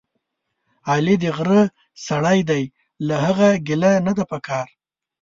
علي دغره سړی دی، له هغه ګیله نه ده پکار.